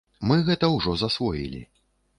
Мы гэта ўжо засвоілі.